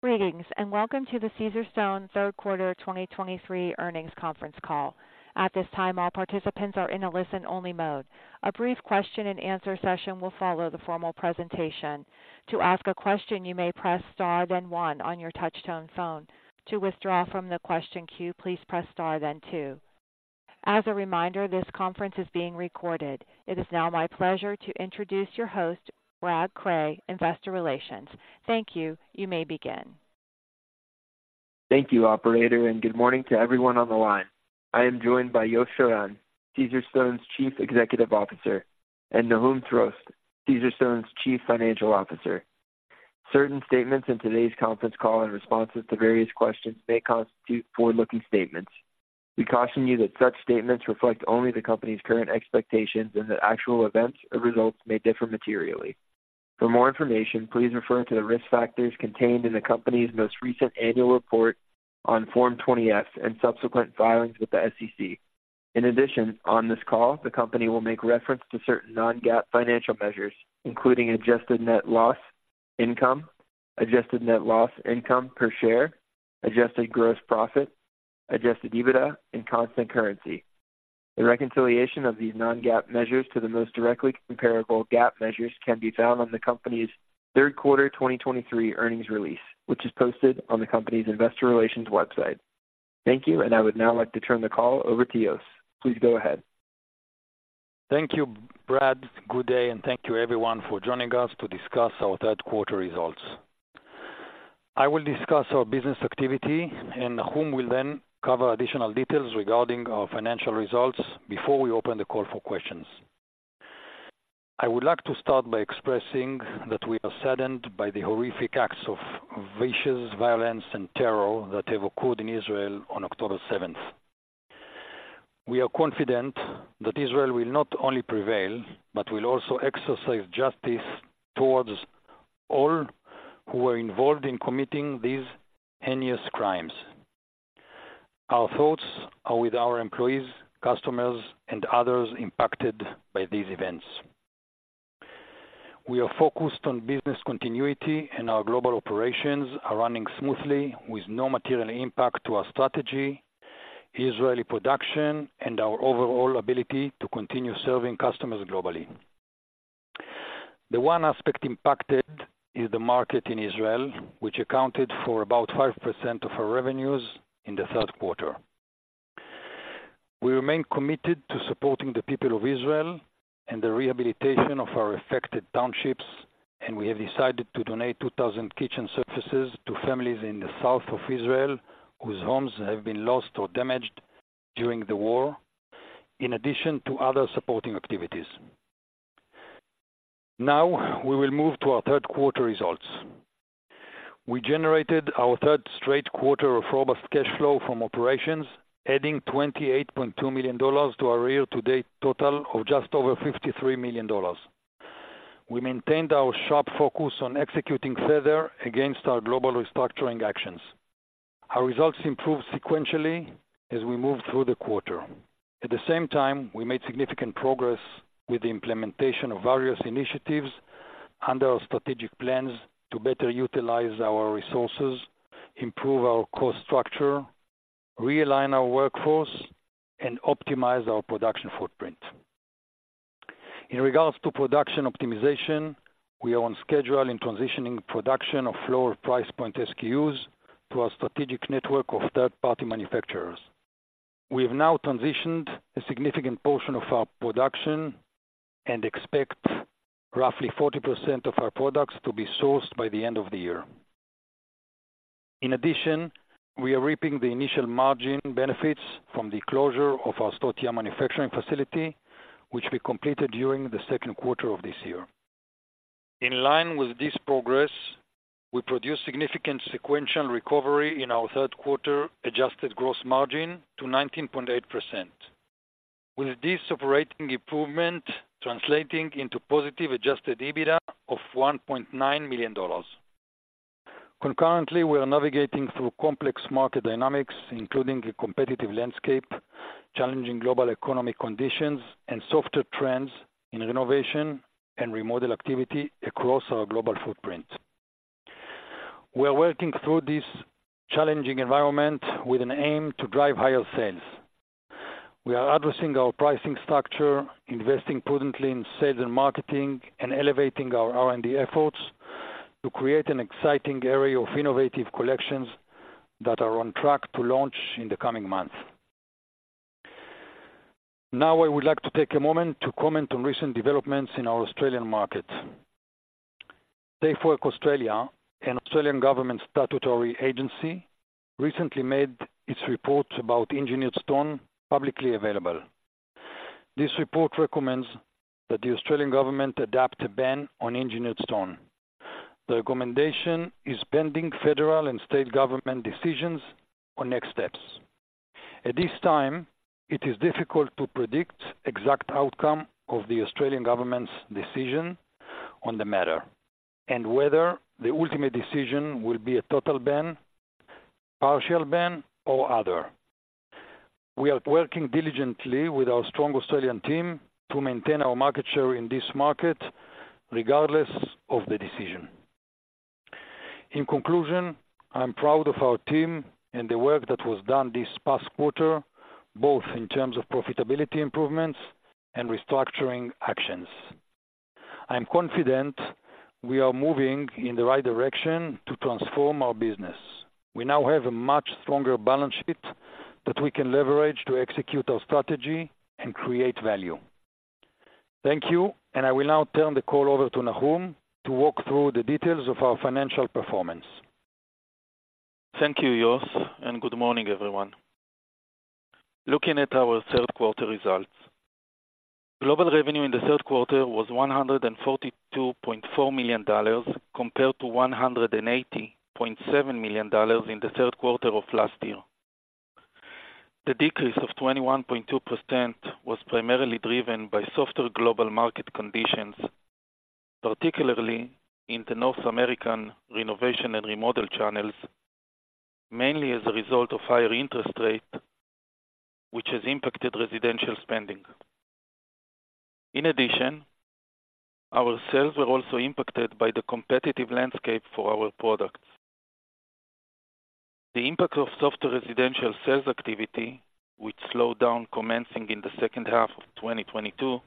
Greetings, and welcome to the Caesarstone third quarter 2023 earnings conference call. At this time, all participants are in a listen-only mode. A brief question-and-answer session will follow the formal presentation. To ask a question, you may press star, then one on your touchtone phone. To withdraw from the question queue, please press star then two. As a reminder, this conference is being recorded. It is now my pleasure to introduce your host, Brad Cray, Investor Relations. Thank you. You may begin. Thank you, operator, and good morning to everyone on the line. I am joined by Yos Shiran, Caesarstone's Chief Executive Officer, and Nahum Trost, Caesarstone's Chief Financial Officer. Certain statements in today's conference call and responses to various questions may constitute forward-looking statements. We caution you that such statements reflect only the company's current expectations and that actual events or results may differ materially. For more information, please refer to the risk factors contained in the company's most recent annual report on Form 20-F and subsequent filings with the SEC. In addition, on this call, the company will make reference to certain non-GAAP financial measures, including adjusted net loss, income, adjusted net loss, income per share, adjusted gross profit, Adjusted EBITDA, and constant currency. The reconciliation of these non-GAAP measures to the most directly comparable GAAP measures can be found on the company's third quarter 2023 earnings release, which is posted on the company's investor relations website. Thank you, and I would now like to turn the call over to Yos. Please go ahead. Thank you, Brad. Good day, and thank you, everyone, for joining us to discuss our third quarter results. I will discuss our business activity, and Nahum will then cover additional details regarding our financial results before we open the call for questions. I would like to start by expressing that we are saddened by the horrific acts of vicious violence and terror that have occurred in Israel on October 7th. We are confident that Israel will not only prevail, but will also exercise justice towards all who were involved in committing these heinous crimes. Our thoughts are with our employees, customers, and others impacted by these events. We are focused on business continuity, and our global operations are running smoothly with no material impact to our strategy, Israeli production, and our overall ability to continue serving customers globally. The one aspect impacted is the market in Israel, which accounted for about 5% of our revenues in the third quarter. We remain committed to supporting the people of Israel and the rehabilitation of our affected townships, and we have decided to donate 2,000 kitchen surfaces to families in the south of Israel whose homes have been lost or damaged during the war, in addition to other supporting activities. Now, we will move to our third quarter results. We generated our third straight quarter of robust cash flow from operations, adding $28.2 million to our year-to-date total of just over $53 million. We maintained our sharp focus on executing further against our global restructuring actions. Our results improved sequentially as we moved through the quarter. At the same time, we made significant progress with the implementation of various initiatives under our strategic plans to better utilize our resources, improve our cost structure, realign our workforce, and optimize our production footprint. In regards to production optimization, we are on schedule in transitioning production of lower price point SKUs to our strategic network of third-party manufacturers. We have now transitioned a significant portion of our production and expect roughly 40% of our products to be sourced by the end of the year. In addition, we are reaping the initial margin benefits from the closure of our Sdot Yam manufacturing facility, which we completed during the second quarter of this year. In line with this progress, we produced significant sequential recovery in our third quarter adjusted gross margin to 19.8%, with this operating improvement translating into positive Adjusted EBITDA of $1.9 million. Concurrently, we are navigating through complex market dynamics, including a competitive landscape, challenging global economic conditions, and softer trends in renovation and remodel activity across our global footprint. We are working through this challenging environment with an aim to drive higher sales. We are addressing our pricing structure, investing prudently in sales and marketing, and elevating our R&D efforts to create an exciting array of innovative collections that are on track to launch in the coming months. Now, I would like to take a moment to comment on recent developments in our Australian market. Safe Work Australia, an Australian government statutory agency, recently made its report about engineered Stone publicly available. This report recommends that the Australian government adopt a ban on engineered stone. The recommendation is pending federal and state government decisions on next steps. At this time, it is difficult to predict exact outcome of the Australian government's decision on the matter and whether the ultimate decision will be a total ban, partial ban, or other. We are working diligently with our strong Australian team to maintain our market share in this market, regardless of the decision. In conclusion, I'm proud of our team and the work that was done this past quarter, both in terms of profitability improvements and restructuring actions. I'm confident we are moving in the right direction to transform our business. We now have a much stronger balance sheet that we can leverage to execute our strategy and create value. Thank you, and I will now turn the call over to Nahum to walk through the details of our financial performance. Thank you, Yos, and good morning, everyone. Looking at our third quarter results. Global revenue in the third quarter was $142.4 million, compared to $180.7 million in the third quarter of last year. The decrease of 21.2% was primarily driven by softer global market conditions, particularly in the North American renovation and remodel channels, mainly as a result of higher interest rate, which has impacted residential spending. In addition, our sales were also impacted by the competitive landscape for our products. The impact of softer residential sales activity, which slowed down commencing in the second half of 2022,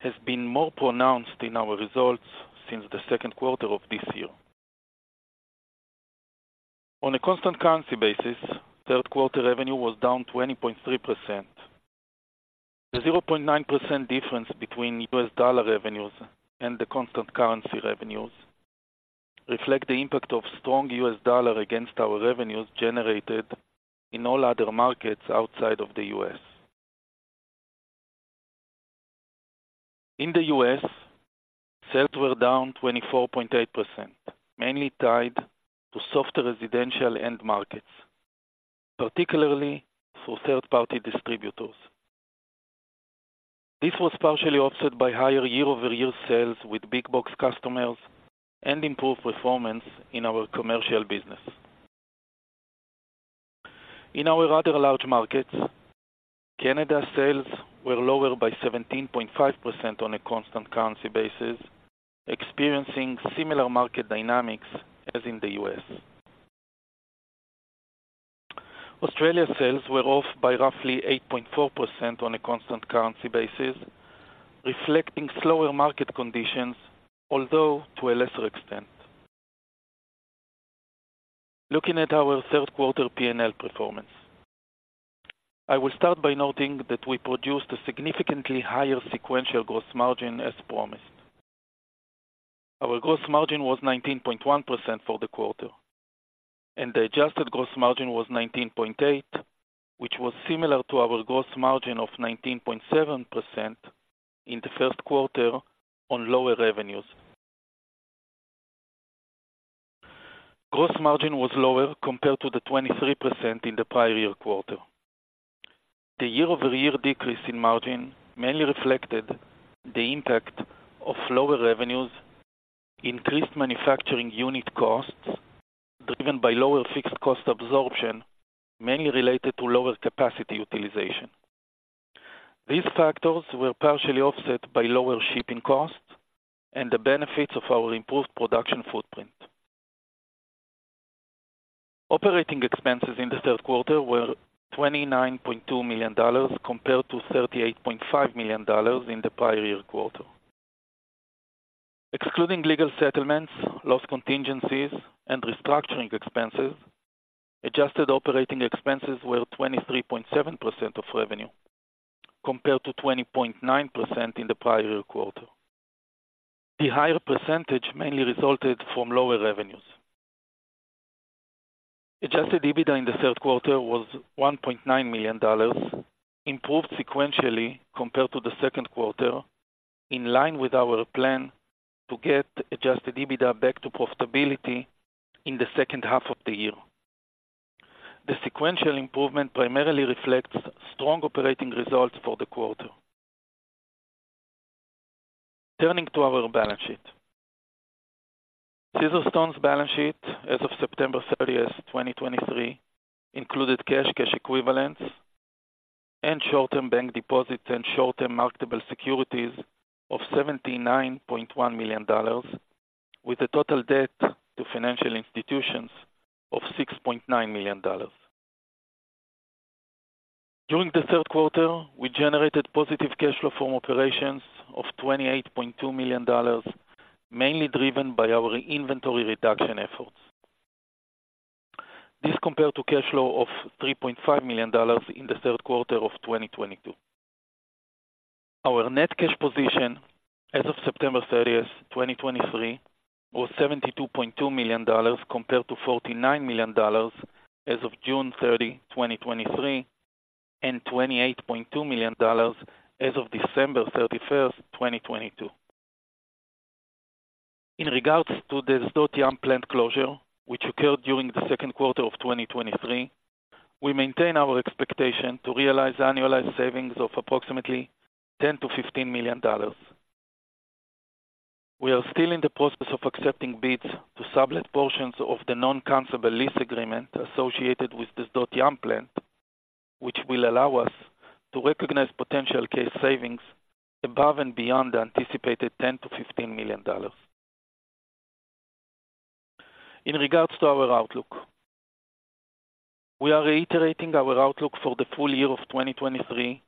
has been more pronounced in our results since the second quarter of this year. On a constant currency basis, third quarter revenue was down 20.3%. The 0.9% difference between U.S. dollar revenues and the constant currency revenues reflect the impact of strong U.S. dollar against our revenues generated in all other markets outside of the U.S. In the U.S., sales were down 24.8%, mainly tied to softer residential end markets, particularly through third-party distributors. This was partially offset by higher year-over-year sales with big box customers and improved performance in our commercial business. In our other large markets, Canada sales were lower by 17.5% on a constant currency basis, experiencing similar market dynamics as in the U.S. Australia sales were off by roughly 8.4% on a constant currency basis, reflecting slower market conditions, although to a lesser extent. Looking at our third quarter PNL performance. I will start by noting that we produced a significantly higher sequential gross margin as promised. Our gross margin was 19.1% for the quarter, and the adjusted gross margin was 19.8%, which was similar to our gross margin of 19.7% in the first quarter on lower revenues. Gross margin was lower compared to the 23% in the prior year quarter. The year-over-year decrease in margin mainly reflected the impact of lower revenues, increased manufacturing unit costs, driven by lower fixed cost absorption, mainly related to lower capacity utilization. These factors were partially offset by lower shipping costs and the benefits of our improved production footprint. Operating expenses in the third quarter were $29.2 million, compared to $38.5 million in the prior year quarter. Excluding legal settlements, loss contingencies, and restructuring expenses, adjusted operating expenses were 23.7% of revenue, compared to 20.9% in the prior year quarter. The higher percentage mainly resulted from lower revenues. Adjusted EBITDA in the third quarter was $1.9 million, improved sequentially compared to the second quarter, in line with our plan to get Adjusted EBITDA back to profitability in the second half of the year. The sequential improvement primarily reflects strong operating results for the quarter. Turning to our balance sheet. Caesarstone's balance sheet as of September 30th, 2023, included cash, cash equivalents, and short-term bank deposits and short-term marketable securities of $79.1 million, with a total debt to financial institutions of $6.9 million. During the third quarter, we generated positive cash flow from operations of $28.2 million, mainly driven by our inventory reduction efforts. This compared to cash flow of $3.5 million in the third quarter of 2022. Our net cash position as of September 30th, 2023, was $72.2 million, compared to $49 million as of June 30, 2023, and $28.2 million as of December 31st, 2022. In regards to the Sdot Yam plant closure, which occurred during the second quarter of 2023, we maintain our expectation to realize annualized savings of approximately $10 million-$15 million. We are still in the process of accepting bids to sublet portions of the non-cancelable lease agreement associated with the Sdot Yam plant, which will allow us to recognize potential cash savings above and beyond the anticipated $10 million-$15 million. In regards to our outlook, we are reiterating our outlook for the full year of 2023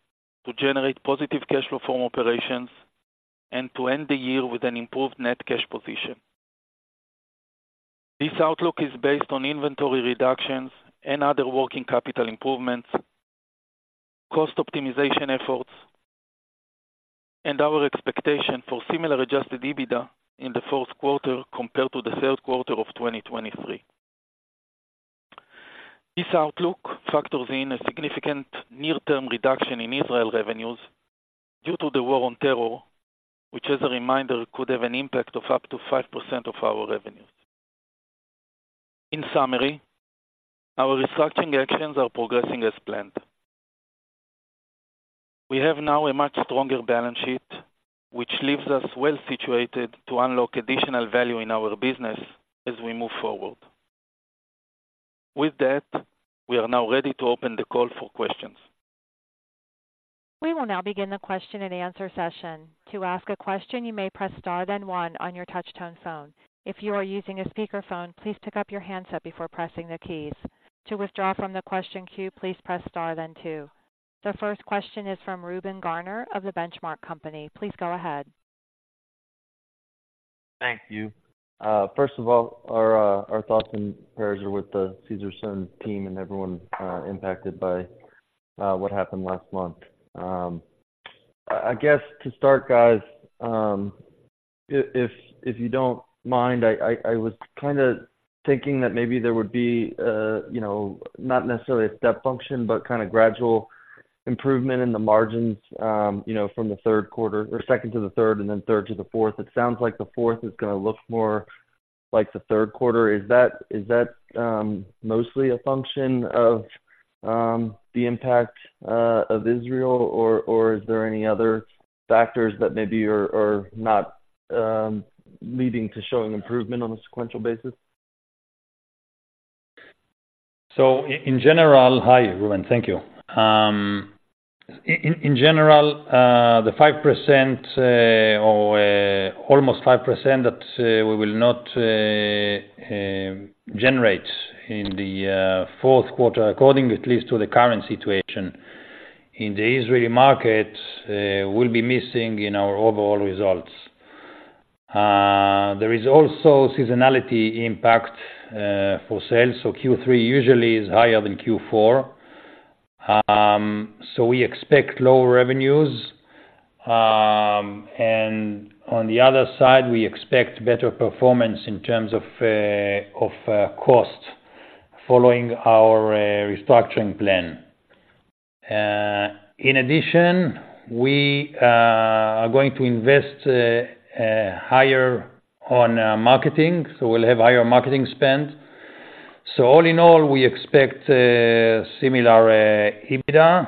to generate positive cash flow from operations and to end the year with an improved net cash position. This outlook is based on inventory reductions and other working capital improvements, cost optimization efforts, and our expectation for similar Adjusted EBITDA in the fourth quarter compared to the third quarter of 2023. This outlook factors in a significant near-term reduction in Israel revenues due to the war on terror, which, as a reminder, could have an impact of up to 5% of our revenues. In summary, our restructuring actions are progressing as planned. We have now a much stronger balance sheet, which leaves us well-situated to unlock additional value in our business as we move forward. With that, we are now ready to open the call for questions. We will now begin the question and answer session. To ask a question, you may press star, then one on your touchtone phone. If you are using a speakerphone, please pick up your handset before pressing the keys. To withdraw from the question queue, please press star then two. The first question is from Reuben Garner of The Benchmark Company. Please go ahead. Thank you. First of all, our thoughts and prayers are with the Caesarstone team and everyone impacted by what happened last month. I guess to start, guys, if you don't mind, I was kind of thinking that maybe there would be a, you know, not necessarily a step function, but kind of gradual improvement in the margins, you know, from the third quarter or second to the third, and then third to the fourth. It sounds like the fourth is gonna look more like the third quarter. Is that mostly a function of the impact of Israel, or is there any other factors that maybe are not leading to showing improvement on a sequential basis? So in general... Hi, Reuben. Thank you. In general, the 5%, or almost 5% that we will not generate in the fourth quarter, according at least to the current situation in the Israeli market, will be missing in our overall results. There is also seasonality impact for sales, so Q3 usually is higher than Q4. So we expect lower revenues. And on the other side, we expect better performance in terms of cost following our restructuring plan. In addition, we are going to invest a higher on marketing, so we'll have higher marketing spend. So all in all, we expect a similar EBITDA,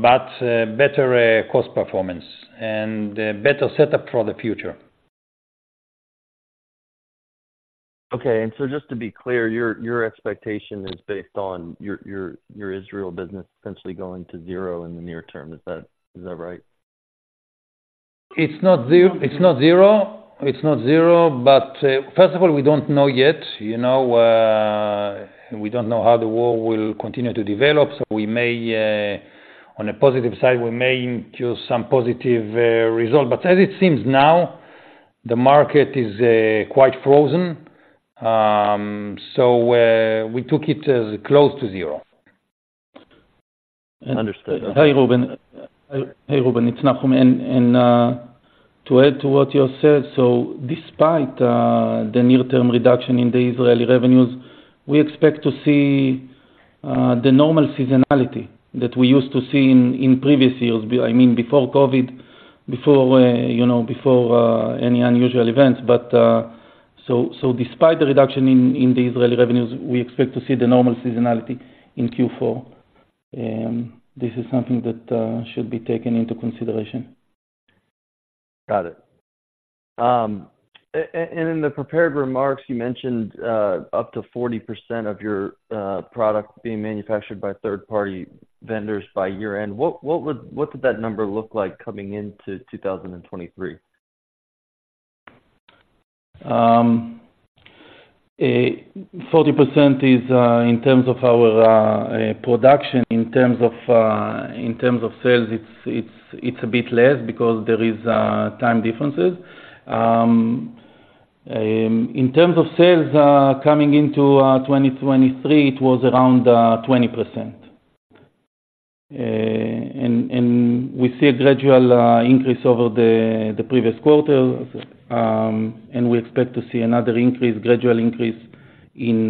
but better cost performance and better setup for the future. Okay, just to be clear, your Israel business essentially going to zero in the near term. Is that right? It's not zero. It's not zero. It's not zero, but first of all, we don't know yet. You know, we don't know how the war will continue to develop, so we may, on a positive side, we may incur some positive result. But as it seems now, the market is quite frozen. So, we took it as close to zero. Understood. Hey, Reuben. Hey, Reuben, it's Nahum. And to add to what you said, so despite the near-term reduction in the Israeli revenues, we expect to see the normal seasonality that we used to see in previous years. I mean, before COVID, before you know, before any unusual events. But so, so despite the reduction in the Israeli revenues, we expect to see the normal seasonality in Q4. This is something that should be taken into consideration. Got it. And in the prepared remarks, you mentioned up to 40% of your product being manufactured by third-party vendors by year-end. What did that number look like coming into 2023? 40% is in terms of our production. In terms of sales, it's a bit less because there is time differences. In terms of sales coming into 2023, it was around 20%. We see a gradual increase over the previous quarter, and we expect to see another gradual increase in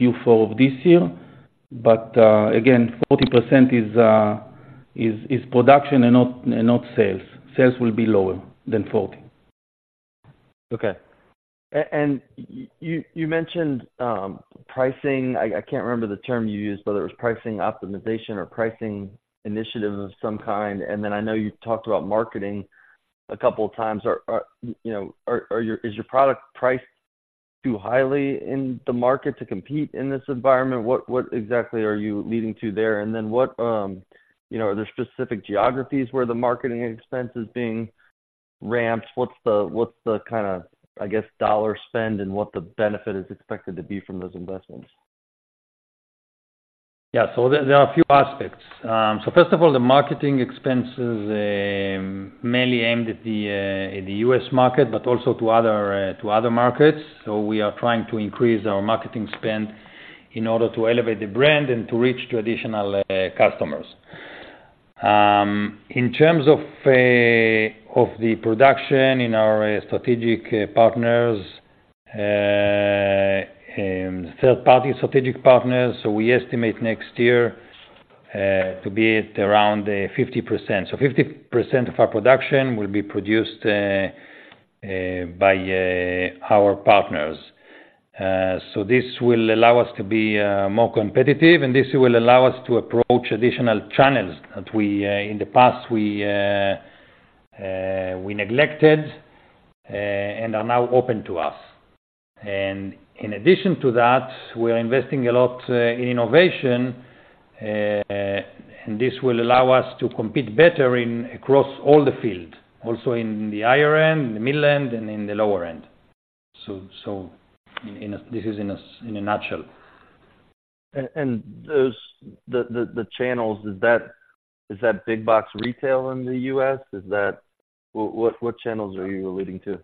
Q4 of this year. But again, 40% is production and not sales. Sales will be lower than 40. Okay. And you mentioned pricing. I can't remember the term you used, whether it was pricing optimization or pricing initiative of some kind, and then I know you talked about marketing a couple of times. You know, is your product priced too highly in the market to compete in this environment? What exactly are you leading to there? And then, you know, are there specific geographies where the marketing expense is being ramped? What's the kind of dollar spend and what the benefit is expected to be from those investments? Yeah, so there are a few aspects. So first of all, the marketing expenses, mainly aimed at the U.S. market, but also to other markets. So we are trying to increase our marketing spend in order to elevate the brand and to reach traditional customers. In terms of the production in our strategic partners, third-party strategic partners, so we estimate next year to be at around 50%. So 50% of our production will be produced by our partners. So this will allow us to be more competitive, and this will allow us to approach additional channels that we in the past we neglected, and are now open to us. And in addition to that, we are investing a lot in innovation, and this will allow us to compete better in across all the field, also in the higher end, the mid-end, and in the lower end. So, this is in a nutshell. And those, the channels, is that big box retail in the U.S.? Is that... What, what channels are you alluding to?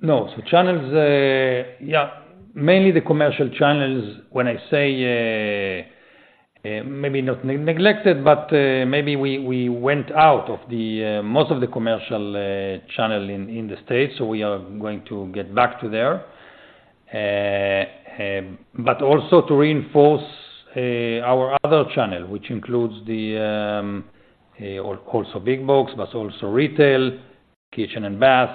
No. So channels, mainly the commercial channels. When I say, maybe not neglected, but, maybe we went out of the most of the commercial channel in the States, so we are going to get back to there. But also to reinforce our other channel, which includes the also big box, but also retail, kitchen and bath,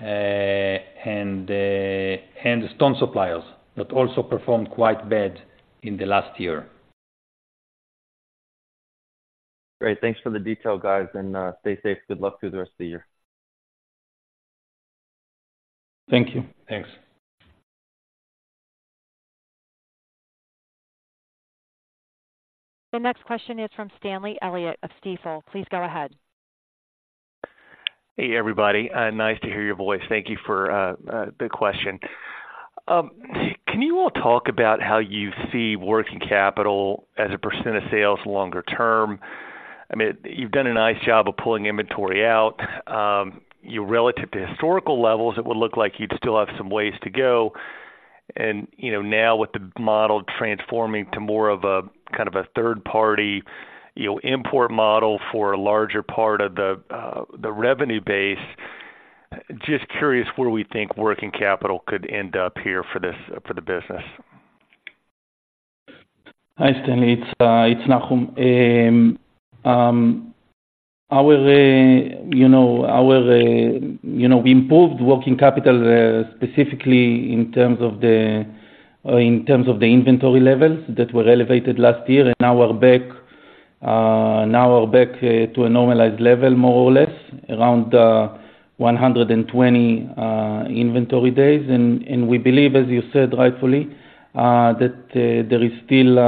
and and stone suppliers, that also performed quite bad in the last year. Great. Thanks for the detail, guys. Stay safe. Good luck through the rest of the year. Thank you. Thanks. The next question is from Stanley Elliott of Stifel. Please go ahead. Hey, everybody. Nice to hear your voice. Thank you for the question. Can you all talk about how you see working capital as a percentage of sales longer term? I mean, you've done a nice job of pulling inventory out. You're relative to historical levels, it would look like you'd still have some ways to go. And, you know, now with the model transforming to more of a, kind of a third party, you know, import model for a larger part of the revenue base, just curious where we think working capital could end up here for this for the business. Hi, Stanley. It's Nahum. Our, you know, our, you know, we improved working capital, specifically in terms of the inventory levels that were elevated last year, and now we're back to a normalized level, more or less, around 120 inventory days. And we believe, as you said, rightfully, that there is still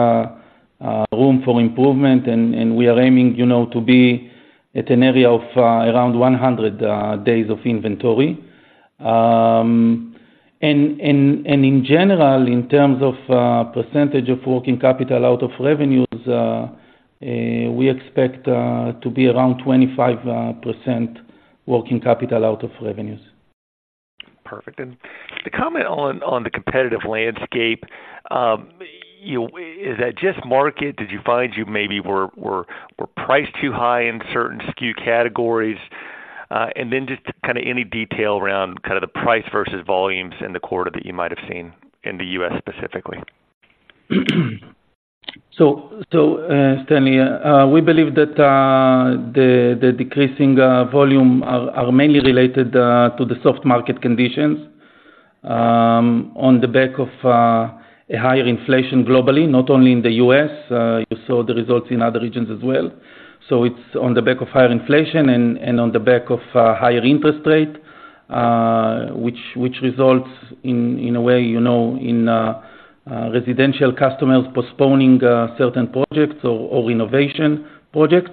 room for improvement, and we are aiming, you know, to be at an area of around 100 days of inventory. And in general, in terms of percentage of working capital out of revenues, we expect to be around 25% working capital out of revenues. Perfect. To comment on the competitive landscape, you know, is that just market? Did you find you maybe were priced too high in certain SKU categories? And then just kind of any detail around kind of the price versus volumes in the quarter that you might have seen in the U.S., specifically? So, Stanley, we believe that the decreasing volume are mainly related to the soft market conditions on the back of a higher inflation globally, not only in the U.S. You saw the results in other regions as well. So it's on the back of higher inflation and on the back of a higher interest rate which results in a way, you know, in residential customers postponing certain projects or renovation projects.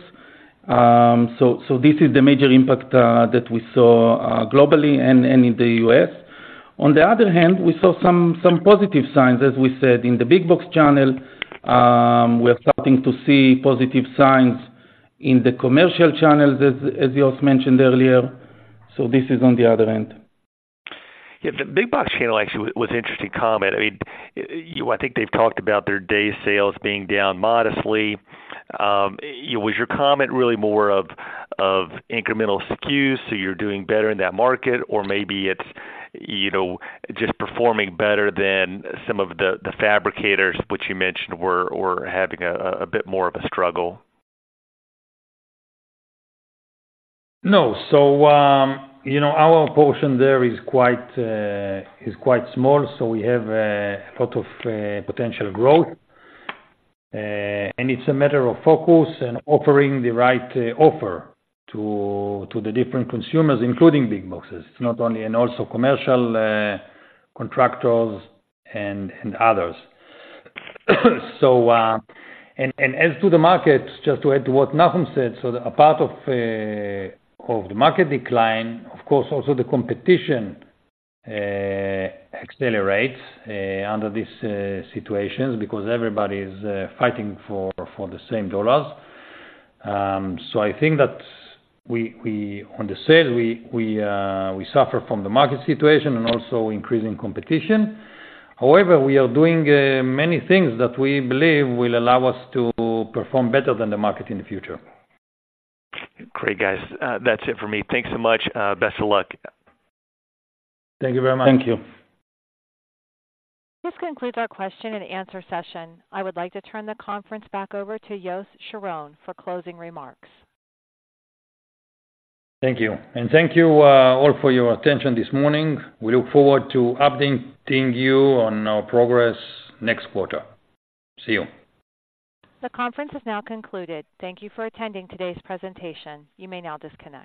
So this is the major impact that we saw globally and in the U.S. On the other hand, we saw some positive signs. As we said in the big box channel, we are starting to see positive signs in the commercial channels, as Yos mentioned earlier, so this is on the other end. Yeah, the big box channel actually was interesting comment. I mean, you-- I think they've talked about their day sales being down modestly. Was your comment really more of, of incremental SKUs, so you're doing better in that market? Or maybe it's, you know, just performing better than some of the, the fabricators, which you mentioned were, were having a, a bit more of a struggle. No. So, you know, our portion there is quite small, so we have a lot of potential growth. And it's a matter of focus and offering the right offer to the different consumers, including big boxes, not only... and also commercial contractors and others. So, and as to the market, just to add to what Nahum said, so a part of the market decline, of course, also the competition accelerates under these situations because everybody is fighting for the same dollars. So I think that we, on the sales, suffer from the market situation and also increasing competition. However, we are doing many things that we believe will allow us to perform better than the market in the future. Great, guys. That's it for me. Thanks so much. Best of luck. Thank you very much. Thank you. This concludes our question and answer session. I would like to turn the conference back over to Yos Shiran for closing remarks. Thank you. And thank you, all for your attention this morning. We look forward to updating you on our progress next quarter. See you! The conference is now concluded. Thank you for attending today's presentation. You may now disconnect.